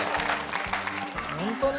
本当に？